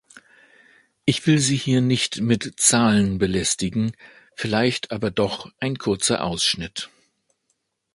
Ich will Sie hier nicht mit Zahlen belästigen, vielleicht aber doch ein kurzer Ausschnitt.